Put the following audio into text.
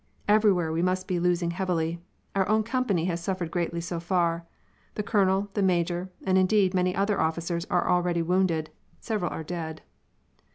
Everywhere we must be losing heavily; our own company has suffered greatly so far. The colonel, the major, and, indeed, many other officers are already wounded; several are dead.